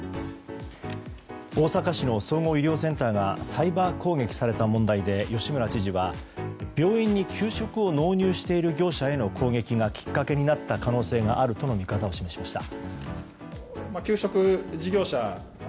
大阪市の総合医療センターがサイバー攻撃された問題で吉村知事は病院に給食を納入している業者への攻撃がきっかけになった可能性があるとの見方を示しました。